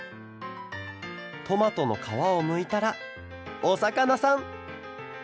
トマトのかわをむいたらおさかなさん！